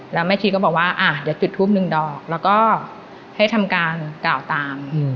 แล้วแม่ชีก็บอกว่าเดี๋ยวจุดทูปหนึ่งดอกแล้วก็ให้ทำการกล่าวตาม